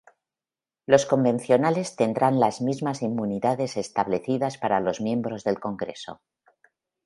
Los convencionales tendrán las mismas inmunidades establecidas para los miembros del Congreso.